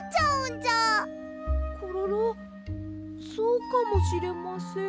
コロロそうかもしれません。